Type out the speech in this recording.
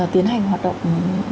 tiến hành hoạt động